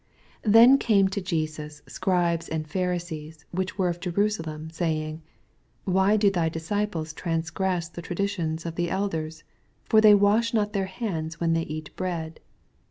•Hen 08me to Jeens Soribes and <)«riBe6B, whioh were of Jerusalem, 2 why do thj disciples traDsgress the tradition of the elders I for they wash not their hands when they eat bread.